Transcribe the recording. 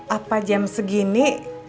apa jam segini